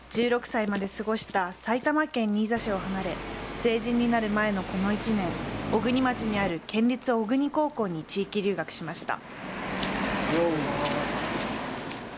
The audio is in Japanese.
１６歳まで過ごした埼玉県新座市を離れ成人になる前のこの１年、小国町にある県立小国高校に地域留学しました。